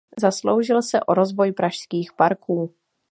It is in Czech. Zasloužil se o rozvoj pražských parků.